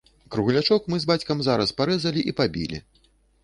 Круглячок мы з бацькам зараз парэзалі і пабілі.